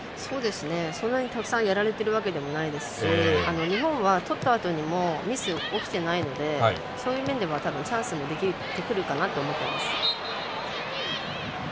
そんなにたくさんやられているわけではないですし日本は、とったあとにもミスが起きてないのでそういう面ではチャンスもできてくるかなと思っています。